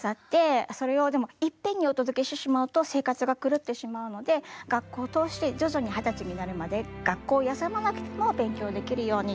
それをでもいっぺんにお届けしてしまうと生活が狂ってしまうので学校を通して徐々に二十歳になるまで学校を休まなくても勉強できるように。